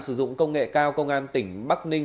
sử dụng công nghệ cao công an tỉnh bắc ninh